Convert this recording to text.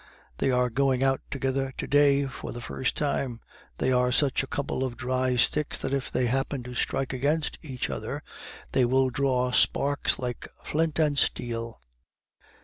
"They are going out together to day for the first time. They are such a couple of dry sticks that if they happen to strike against each other they will draw sparks like flint and steel."